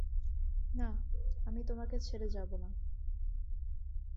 না, আমি তোমাকে ছেড়ে যাবো না।